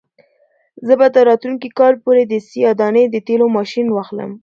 زه به تر راتلونکي کال پورې د سیاه دانې د تېلو ماشین واخلم.